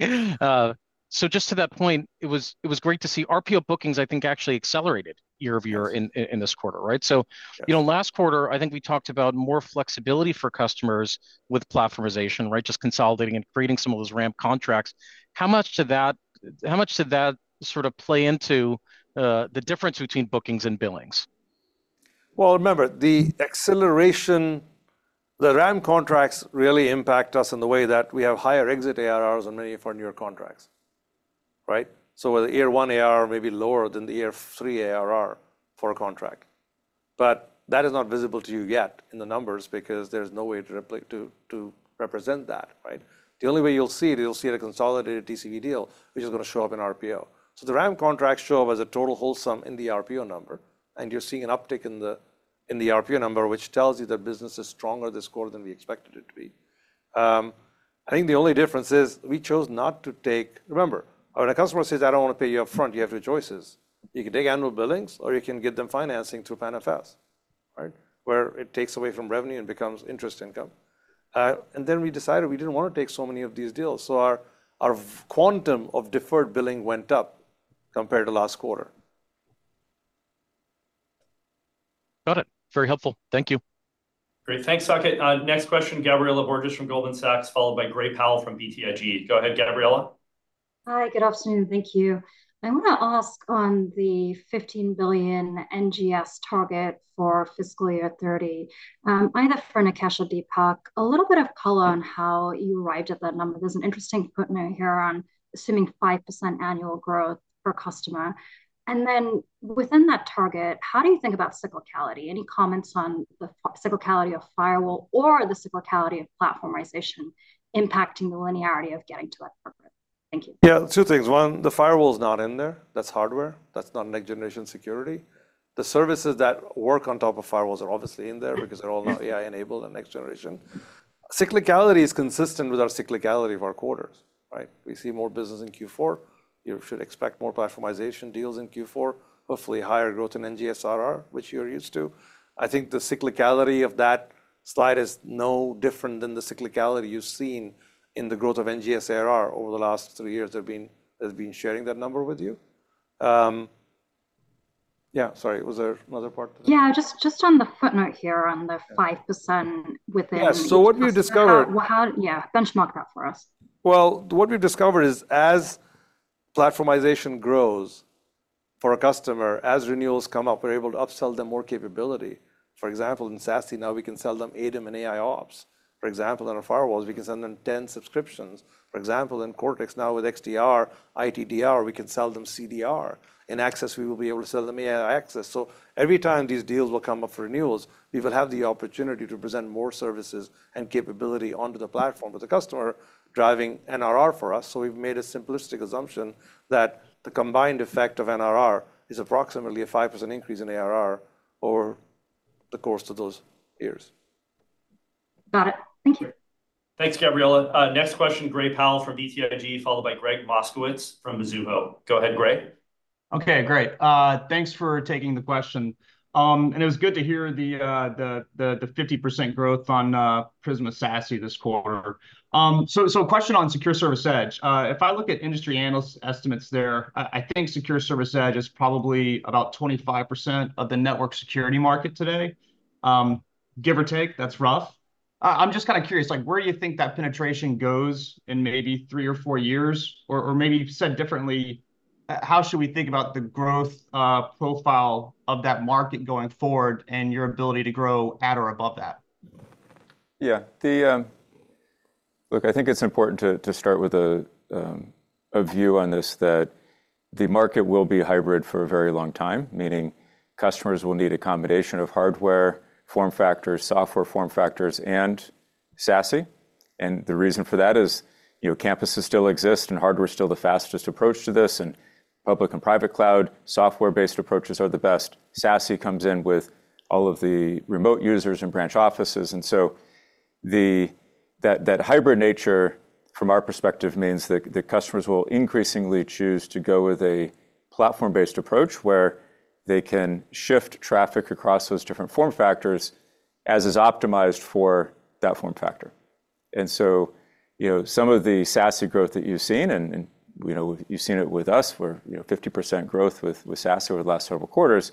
it. So just to that point, it was great to see RPO bookings, I think, actually accelerated year-over-year in this quarter, right? Yeah. So, you know, last quarter, I think we talked about more flexibility for customers with platformization, right? Just consolidating and creating some of those ramp contracts. How much did that sort of play into the difference between bookings and billings? Well, remember, the acceleration, the ramp contracts really impact us in the way that we have higher exit ARRs on many of our newer contracts, right? So where the year one ARR may be lower than the year three ARR for a contract. But that is not visible to you yet in the numbers, because there's no way to represent that, right? The only way you'll see it, you'll see it in a consolidated TCV deal, which is gonna show up in RPO. So the ramp contracts show up as a total whole sum in the RPO number, and you're seeing an uptick in the RPO number, which tells you that business is stronger this quarter than we expected it to be. I think the only difference is, we chose not to take... Remember, when a customer says, "I don't want to pay you up front," you have two choices: You can take annual billings, or you can get them financing through PANFS, right? Where it takes away from revenue and becomes interest income. And then we decided we didn't want to take so many of these deals, so our quantum of deferred billing went up compared to last quarter. Got it. Very helpful. Thank you. Great. Thanks, Saket. Next question, Gabriela Borges from Goldman Sachs, followed by Gray Powell from BTIG. Go ahead, Gabriela. Hi, good afternoon. Thank you. I want to ask on the $15 billion NGS target for fiscal year 2030, either for Nikesh or Dipak, a little bit of color on how you arrived at that number. There's an interesting footnote here on assuming 5% annual growth per customer. Then within that target, how do you think about cyclicality? Any comments on the cyclicality of firewall or the cyclicality of platformization impacting the linearity of getting to that target? Thank you. Yeah, two things. One, the firewall's not in there. That's hardware. That's not next-generation security. The services that work on top of firewalls are obviously in there- Mm-hmm... because they're all now AI-enabled and next generation. Cyclicality is consistent with our cyclicality of our quarters, right? We see more business in Q4. You should expect more platformization deals in Q4, hopefully higher growth in NGS ARR, which you're used to. I think the cyclicality of that slide is no different than the cyclicality you've seen in the growth of NGS ARR over the last three years I've been sharing that number with you. Yeah, sorry, was there another part? Yeah, just, just on the footnote here on the 5% within- Yes, so what we've discovered- How... Yeah, benchmark that for us. Well, what we've discovered is as platformization grows for a customer, as renewals come up, we're able to upsell them more capability. For example, in SASE, now we can sell them ADEM and AIOps. For example, on our firewalls, we can sell them 10 subscriptions. For example, in Cortex, now with XDR, ITDR, we can sell them CDR. In Access, we will be able to sell them AI Access. So every time these deals will come up for renewals, we will have the opportunity to present more services and capability onto the platform, with the customer driving NRR for us. So we've made a simplistic assumption that the combined effect of NRR is approximately a 5% increase in ARR over the course of those years. Got it. Thank you. Thanks, Gabriela. Next question, Gray Powell from BTIG, followed by Gregg Moskowitz from Mizuho. Go ahead, Gray. Okay, great. Thanks for taking the question. It was good to hear the 50% growth on Prisma SASE this quarter. So, question on secure service edge. If I look at industry analyst estimates there, I think secure service edge is probably about 25% of the network security market today, give or take, that's rough. I'm just kind of curious, like, where do you think that penetration goes in maybe three or four years? Or, maybe said differently, how should we think about the growth profile of that market going forward and your ability to grow at or above that? Yeah. The, Look, I think it's important to, to start with a, a view on this, that the market will be hybrid for a very long time, meaning customers will need a combination of hardware, form factors, software form factors, and SASE. And the reason for that is, you know, campuses still exist, and hardware is still the fastest approach to this, and public and private cloud, software-based approaches are the best. SASE comes in with all of the remote users and branch offices, and so that hybrid nature, from our perspective, means that the customers will increasingly choose to go with a platform-based approach, where they can shift traffic across those different form factors, as is optimized for that form factor. So, you know, some of the SASE growth that you've seen, and, you know, you've seen it with us, where, you know, 50% growth with SASE over the last several quarters,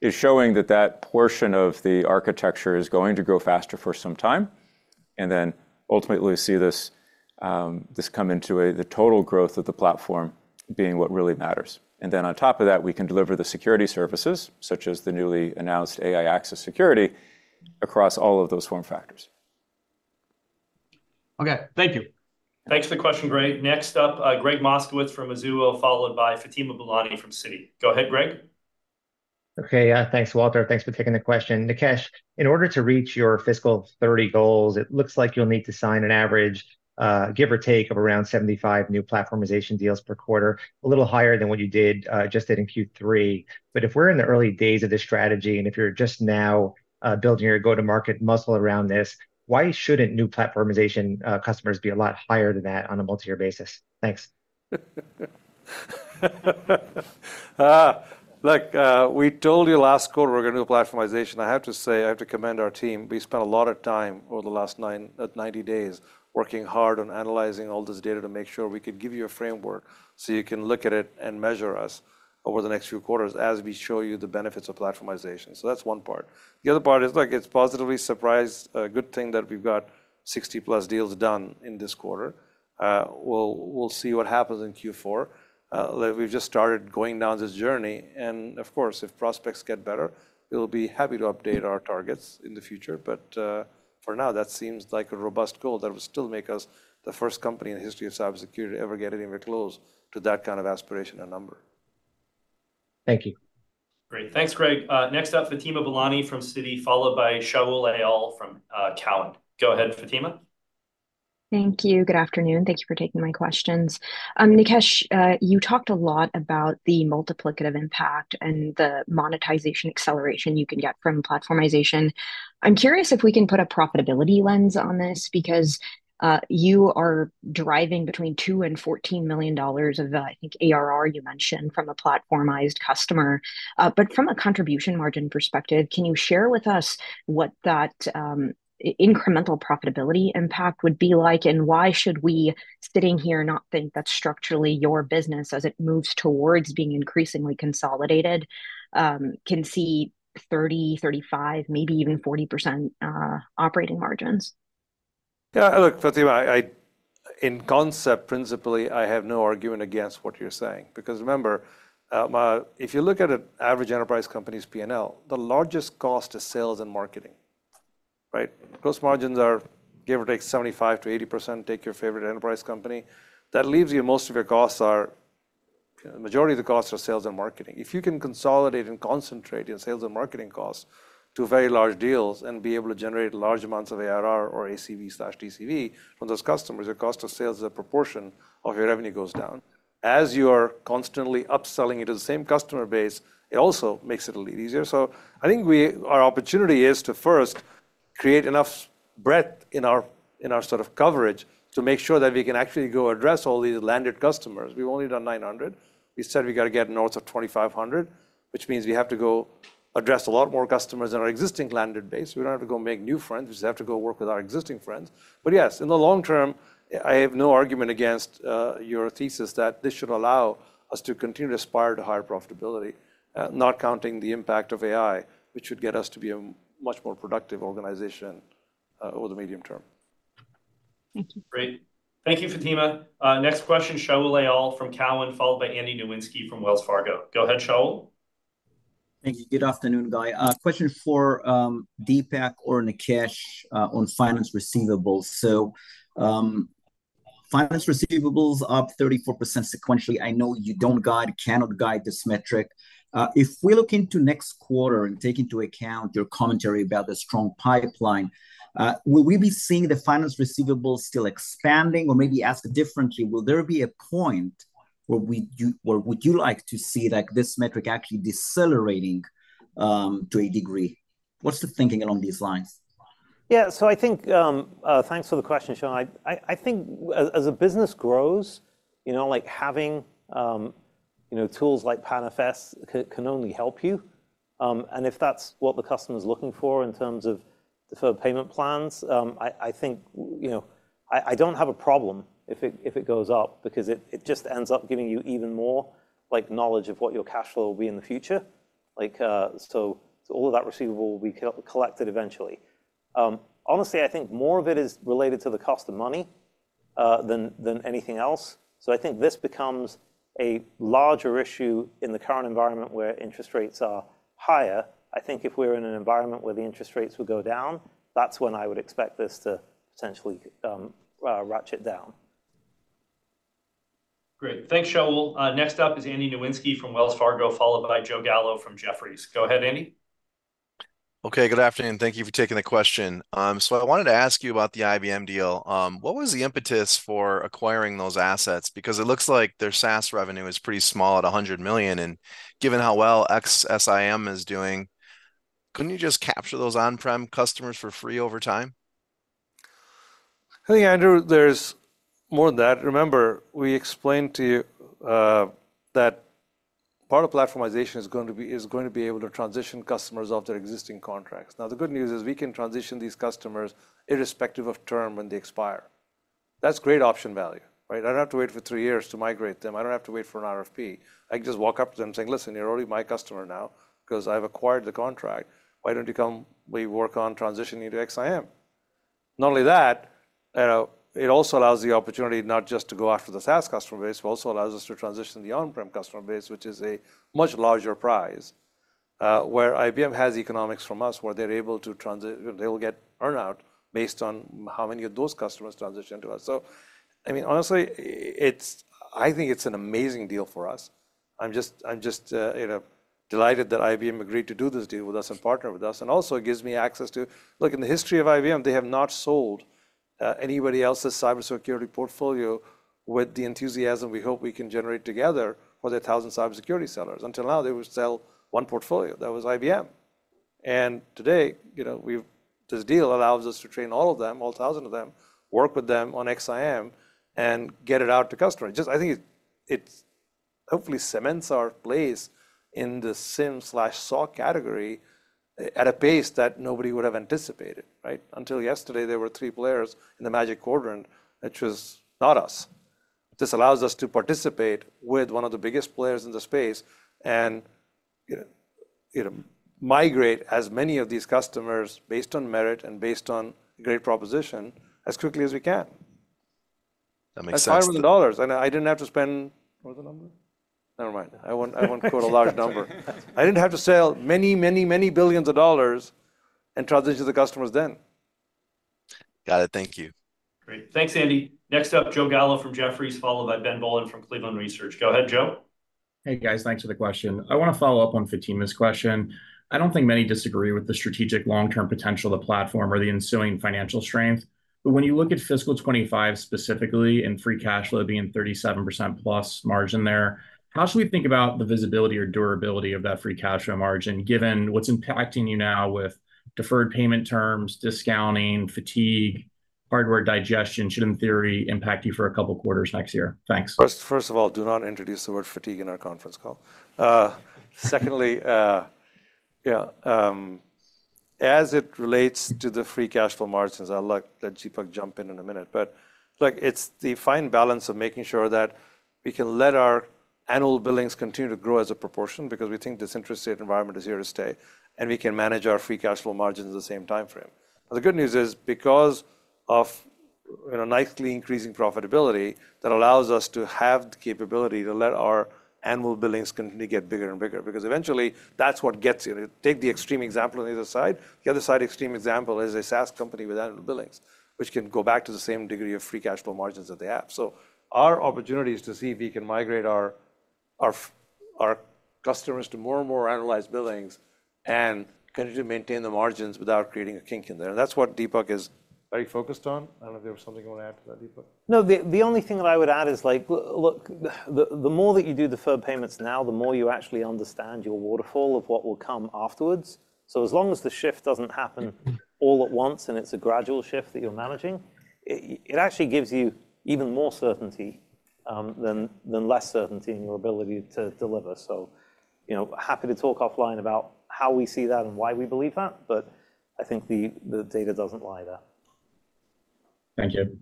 is showing that that portion of the architecture is going to grow faster for some time, and then ultimately see this come into the total growth of the platform being what really matters. And then on top of that, we can deliver the security services, such as the newly announced AI Access Security, across all of those form factors. Okay. Thank you. Thanks for the question, Gray. Next up, Gregg Moskowitz from Mizuho, followed by Fatima Boolani from Citi. Go ahead, Gregg. Okay, thanks, Walter. Thanks for taking the question. Nikesh, in order to reach your fiscal 30 goals, it looks like you'll need to sign an average, give or take, of around 75 new platformization deals per quarter, a little higher than what you did, just did in Q3. But if we're in the early days of this strategy, and if you're just now, building your go-to-market muscle around this, why shouldn't new platformization, customers be a lot higher than that on a multi-year basis? Thanks. Ah, look, we told you last quarter we're gonna do a platformization. I have to say, I have to commend our team. We spent a lot of time over the last 90 days working hard on analyzing all this data to make sure we could give you a framework so you can look at it and measure us over the next few quarters as we show you the benefits of platformization. So that's one part. The other part is, look, it's positively surprised, a good thing that we've got 60+ deals done in this quarter. We'll see what happens in Q4. Like, we've just started going down this journey and of course, if prospects get better, we'll be happy to update our targets in the future. For now, that seems like a robust goal that would still make us the first company in the history of cybersecurity to ever get anywhere close to that kind of aspiration and number. Thank you. Great. Thanks, Gregg. Next up, Fatima Boolani from Citi, followed by Shaul Eyal from Cowen. Go ahead, Fatima. Thank you. Good afternoon. Thank you for taking my questions. Nikesh, you talked a lot about the multiplicative impact and the monetization acceleration you can get from platformization. I'm curious if we can put a profitability lens on this, because you are driving between $2 million-$14 million of, I think ARR you mentioned from a platformized customer. But from a contribution margin perspective, can you share with us what that incremental profitability impact would be like, and why should we, sitting here, not think that structurally, your business, as it moves towards being increasingly consolidated, can see 30, 35, maybe even 40% operating margins? Yeah, look, Fatima, I, in concept, principally, I have no argument against what you're saying. Because remember, if you look at an average enterprise company's P&L, the largest cost is sales and marketing, right? Gross margins are, give or take, 75%-80%. Take your favorite enterprise company. That leaves you... Most of your costs are- majority of the costs are sales and marketing. If you can consolidate and concentrate your sales and marketing costs to very large deals and be able to generate large amounts of ARR or ACV/TCV from those customers, your cost of sales as a proportion of your revenue goes down. As you are constantly upselling it to the same customer base, it also makes it a little easier. So I think our opportunity is to first create enough breadth in our, in our sort of coverage to make sure that we can actually go address all these landed customers. We've only done 900. We said we got to get north of 2,500, which means we have to go address a lot more customers in our existing landed base. We don't have to go make new friends, we just have to go work with our existing friends. But yes, in the long term, I have no argument against your thesis that this should allow us to continue to aspire to higher profitability, not counting the impact of AI, which would get us to be a much more productive organization, over the medium term. Thank you. Great. Thank you, Fatima. Next question, Shaul Eyal from Cowen, followed by Andy Nowinski from Wells Fargo. Go ahead, Shaul. Thank you. Good afternoon, guy. Question for Dipak or Nikesh on finance receivables. So, finance receivables up 34% sequentially. I know you don't guide, cannot guide this metric. If we look into next quarter and take into account your commentary about the strong pipeline, will we be seeing the finance receivables still expanding? Or maybe ask differently, will there be a point where you where would you like to see, like, this metric actually decelerating to a degree? What's the thinking along these lines? Yeah, so I think... Thanks for the question, Shaul. I think as a business grows, you know, like having tools like PANFS can only help you. And if that's what the customer is looking for in terms of deferred payment plans, I think, you know, I don't have a problem if it goes up, because it just ends up giving you even more, like, knowledge of what your cash flow will be in the future. Like, so all of that receivable will be collected eventually. Honestly, I think more of it is related to the cost of money than anything else. So I think this becomes a larger issue in the current environment where interest rates are higher. I think if we're in an environment where the interest rates will go down, that's when I would expect this to potentially ratchet down. Great. Thanks, Shaul. Next up is Andy Nowinski from Wells Fargo, followed by Joe Gallo from Jefferies. Go ahead, Andy. Okay, good afternoon. Thank you for taking the question. I wanted to ask you about the IBM deal. What was the impetus for acquiring those assets? Because it looks like their SaaS revenue is pretty small at $100 million, and given how well XSIAM is doing, couldn't you just capture those on-prem customers for free over time? I think, Andrew, there's more than that. Remember, we explained to you that part of platformization is going to be able to transition customers off their existing contracts. Now, the good news is, we can transition these customers irrespective of term when they expire. That's great option value, right? I don't have to wait for three years to migrate them. I don't have to wait for an RFP. I can just walk up to them and say, "Listen, you're already my customer now, 'cause I've acquired the contract. Why don't you come, we work on transitioning you to XSIAM?" Not only that, it also allows the opportunity not just to go after the SaaS customer base, but also allows us to transition the on-prem customer base, which is a much larger prize, where IBM has economics from us, where they're able to transition—they will get earn-out based on how many of those customers transition to us. So I mean, honestly, it's—I think it's an amazing deal for us. I'm just, you know, delighted that IBM agreed to do this deal with us and partner with us. And also, it gives me access to... Look, in the history of IBM, they have not sold anybody else's cybersecurity portfolio with the enthusiasm we hope we can generate together for the thousand cybersecurity sellers. Until now, they would sell one portfolio, that was IBM... and today, you know, we've, this deal allows us to train all of them, all 1,000 of them, work with them on XSIAM, and get it out to customers. Just I think it, it hopefully cements our place in the SIEM/SOC category at a pace that nobody would have anticipated, right? Until yesterday, there were three players in the Magic Quadrant, which was not us. This allows us to participate with one of the biggest players in the space and, you know, you know, migrate as many of these customers based on merit and based on great proposition as quickly as we can. That makes sense- At $500, and I didn't have to spend... What was the number? Never mind. I won't, I won't - quote a large number. I didn't have to sell many, many, many billions of dollars and transition the customers then. Got it. Thank you. Great. Thanks, Andy. Next up, Joe Gallo from Jefferies, followed by Ben Bollin from Cleveland Research. Go ahead, Joe. Hey, guys. Thanks for the question. I want to follow up on Fatima's question. I don't think many disagree with the strategic long-term potential of the platform or the ensuing financial strength, but when you look at fiscal 2025 specifically and free cash flow being 37%+ margin there, how should we think about the visibility or durability of that free cash flow margin, given what's impacting you now with deferred payment terms, discounting, fatigue, hardware digestion should, in theory, impact you for a couple quarters next year? Thanks. First, first of all, do not introduce the word fatigue in our conference call. Secondly, yeah, as it relates to the free cash flow margins, I'll let Dipak jump in in a minute, but look, it's the fine balance of making sure that we can let our annual billings continue to grow as a proportion because we think this interest rate environment is here to stay, and we can manage our free cash flow margins in the same time frame. Now, the good news is, because of, you know, nicely increasing profitability, that allows us to have the capability to let our annual billings continue to get bigger and bigger, because eventually, that's what gets you. Take the extreme example on the other side. The other side extreme example is a SaaS company without annual billings, which can go back to the same degree of free cash flow margins that they have. So our opportunity is to see if we can migrate our customers to more and more annualized billings and continue to maintain the margins without creating a kink in there. And that's what Dipak is very focused on. I don't know if there was something you wanted to add to that, Dipak. No, the only thing that I would add is, like, look, the more that you do deferred payments now, the more you actually understand your waterfall of what will come afterwards. So as long as the shift doesn't happen all at once, and it's a gradual shift that you're managing, it actually gives you even more certainty than less certainty in your ability to deliver. So, you know, happy to talk offline about how we see that and why we believe that, but I think the data doesn't lie there. Thank you.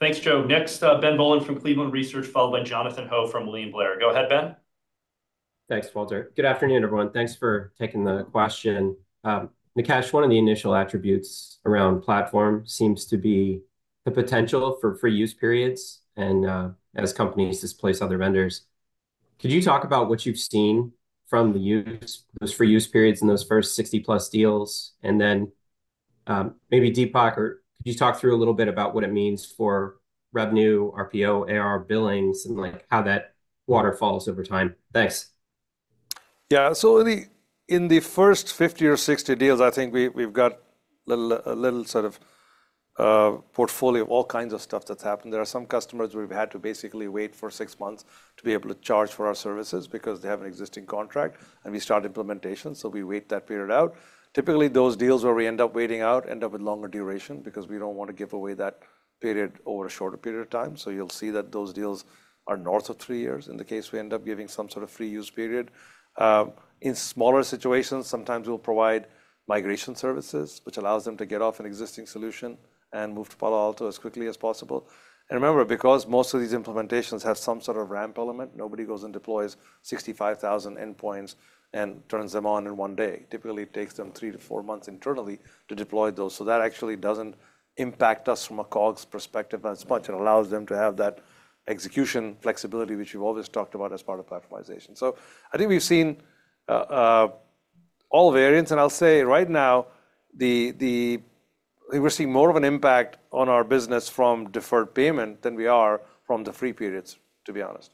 Thanks, Joe. Next, Ben Bollin from Cleveland Research, followed by Jonathan Ho from William Blair. Go ahead, Ben. Thanks, Walter. Good afternoon, everyone. Thanks for taking the question. Nikesh, one of the initial attributes around platform seems to be the potential for free use periods and, as companies displace other vendors. Could you talk about what you've seen from the use, those free use periods in those first 60+ deals? And then, maybe Dipak, or could you talk through a little bit about what it means for revenue, RPO, AR, billings, and, like, how that waterfalls over time? Thanks. Yeah. So in the first 50 or 60 deals, I think we've got a little sort of portfolio of all kinds of stuff that's happened. There are some customers we've had to basically wait for six months to be able to charge for our services because they have an existing contract, and we start implementation, so we wait that period out. Typically, those deals where we end up waiting out end up with longer duration because we don't want to give away that period over a shorter period of time. So you'll see that those deals are north of three years in the case we end up giving some sort of free use period. In smaller situations, sometimes we'll provide migration services, which allows them to get off an existing solution and move to Palo Alto as quickly as possible. And remember, because most of these implementations have some sort of ramp element, nobody goes and deploys 65,000 endpoints and turns them on in 1 day. Typically, it takes them three to four months internally to deploy those. So that actually doesn't impact us from a COGS perspective as much. It allows them to have that execution flexibility, which we've always talked about as part of platformization. So I think we've seen all variants, and I'll say right now, we're seeing more of an impact on our business from deferred payment than we are from the free periods, to be honest,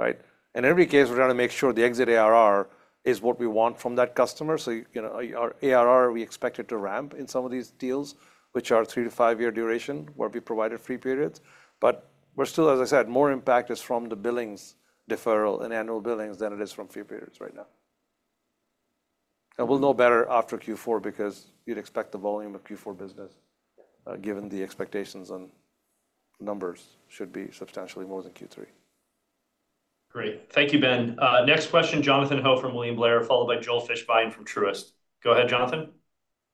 right? In every case, we're going to make sure the exit ARR is what we want from that customer. So, you know, our ARR, we expect it to ramp in some of these deals, which are three to five-year duration, where we provided free periods. But we're still, as I said, more impact is from the billings deferral and annual billings than it is from free periods right now. And we'll know better after Q4 because you'd expect the volume of Q4 business, given the expectations on numbers, should be substantially more than Q3. Great. Thank you, Ben. Next question, Jonathan Ho from William Blair, followed by Joel Fishbein from Truist. Go ahead, Jonathan.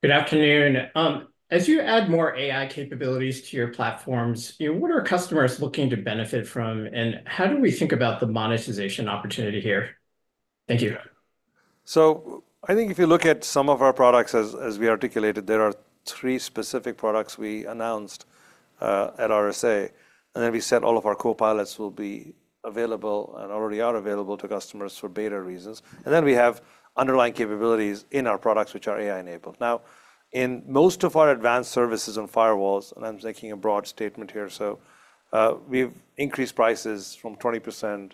Good afternoon. As you add more AI capabilities to your platforms, you know, what are customers looking to benefit from, and how do we think about the monetization opportunity here? Thank you. So I think if you look at some of our products, as we articulated, there are three specific products we announced at RSA, and then we said all of our Copilots will be available and already are available to customers for beta reasons. And then we have underlying capabilities in our products, which are AI-enabled. Now, in most of our advanced services and firewalls, and I'm making a broad statement here, so we've increased prices from 20%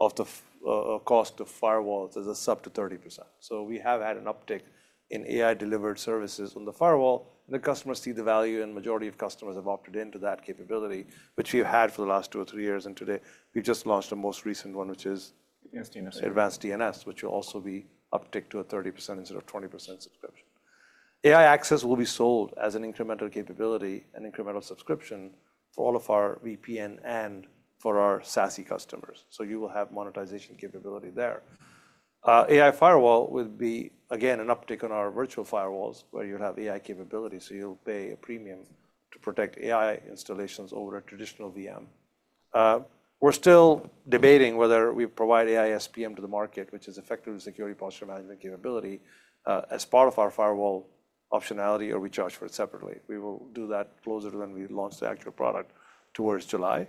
of the cost of firewalls as a sub to 30%. So we have had an uptick in AI delivered services on the firewall, and the customers see the value, and majority of customers have opted into that capability, which we've had for the last two or three years. And today, we just launched the most recent one, which is- Advanced DNS. Advanced DNS, which will also see an uptick to a 30% instead of 20% subscription. AI Access will be sold as an incremental capability, an incremental subscription for all of our VPN and for our SASE customers. So you will have monetization capability there. AI firewall will be, again, an uptick on our virtual firewalls, where you'd have AI capability, so you'll pay a premium to protect AI installations over a traditional VM. We're still debating whether we provide AI-SPM to the market, which is AI Security Posture Management capability, as part of our firewall optionality, or we charge for it separately. We will do that closer to when we launch the actual product towards July.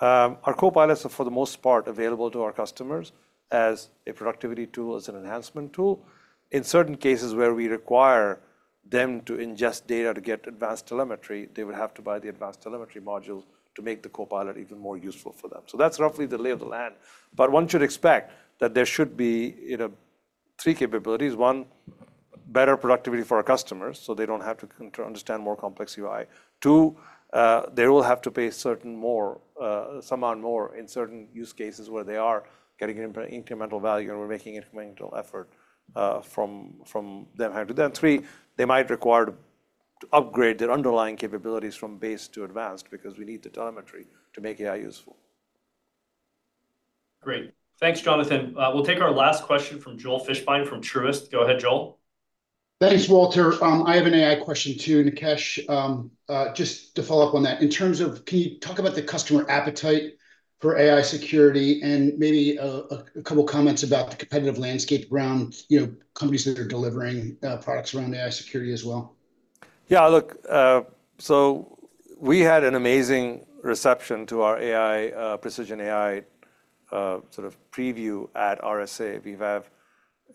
Our copilots are, for the most part, available to our customers as a productivity tool, as an enhancement tool. In certain cases, where we require them to ingest data to get advanced telemetry, they would have to buy the advanced telemetry module to make the copilot even more useful for them. So that's roughly the lay of the land. But one should expect that there should be, you know, three capabilities. One, better productivity for our customers, so they don't have to understand more complex UI. Two, they will have to pay certain more, somewhat more in certain use cases where they are getting in incremental value, and we're making incremental effort, from them. And then three, they might require to upgrade their underlying capabilities from base to advanced because we need the telemetry to make AI useful. Great. Thanks, Jonathan. We'll take our last question from Joel Fishbein from Truist. Go ahead, Joel. Thanks, Walter. I have an AI question, too, Nikesh. Just to follow up on that, in terms of... Can you talk about the customer appetite for AI security, and maybe a couple comments about the competitive landscape around, you know, companies that are delivering products around AI security as well? Yeah, look, so we had an amazing reception to our AI, Precision AI, sort of preview at RSA. We have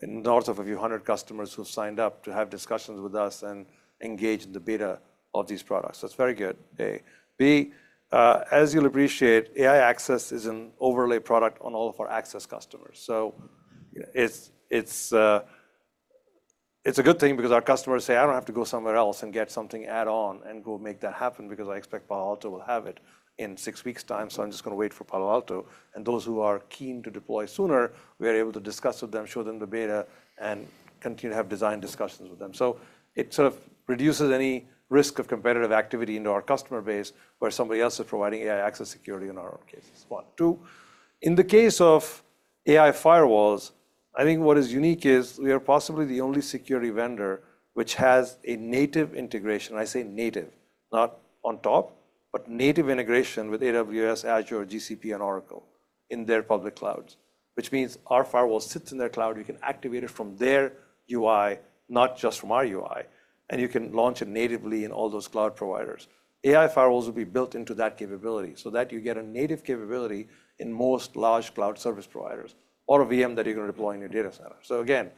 north of a few hundred customers who've signed up to have discussions with us and engage in the beta of these products. So it's very good, A. B., as you'll appreciate, AI Access is an overlay product on all of our access customers. So it's a good thing because our customers say, "I don't have to go somewhere else and get something add-on and go make that happen, because I expect Palo Alto will have it in six weeks' time, so I'm just gonna wait for Palo Alto." And those who are keen to deploy sooner, we are able to discuss with them, show them the beta, and continue to have design discussions with them. So it sort of reduces any risk of competitive activity into our customer base, where somebody else is providing AI Access security in our case, one. Two, in the case of AI firewalls, I think what is unique is we are possibly the only security vendor which has a native integration. I say native, not on top, but native integration with AWS, Azure, GCP, and Oracle in their public clouds, which means our firewall sits in their cloud. You can activate it from their UI, not just from our UI, and you can launch it natively in all those cloud providers. AI firewalls will be built into that capability so that you get a native capability in most large cloud service providers or a VM that you're gonna deploy in your data center. So again,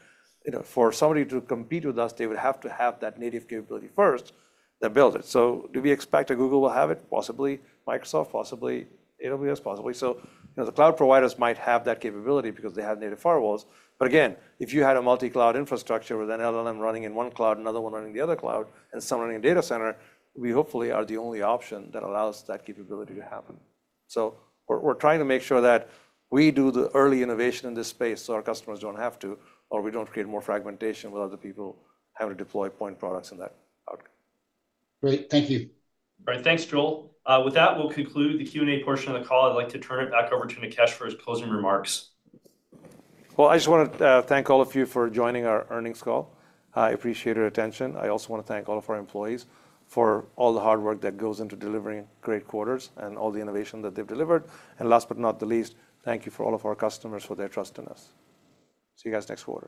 you know, for somebody to compete with us, they would have to have that native capability first, then build it. So do we expect that Google will have it? Possibly. Microsoft? Possibly. AWS? Possibly. So, you know, the cloud providers might have that capability because they have native firewalls. But again, if you had a multi-cloud infrastructure with an LLM running in one cloud, another one running in the other cloud, and some running in data center, we hopefully are the only option that allows that capability to happen. So we're trying to make sure that we do the early innovation in this space, so our customers don't have to, or we don't create more fragmentation with other people having to deploy point products in that outcome. Great. Thank you. All right. Thanks, Joel. With that, we'll conclude the Q&A portion of the call. I'd like to turn it back over to Nikesh for his closing remarks. Well, I just want to thank all of you for joining our earnings call. I appreciate your attention. I also want to thank all of our employees for all the hard work that goes into delivering great quarters and all the innovation that they've delivered. Last but not the least, thank you for all of our customers for their trust in us. See you guys next quarter.